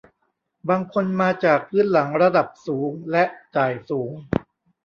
บางคนมาจากพื้นหลังระดับสูงและจ่ายสูง